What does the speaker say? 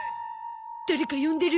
誰か呼んでる。